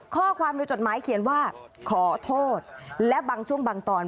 ข้อความในจดหมายเขียนว่าขอโทษและบางช่วงบางตอน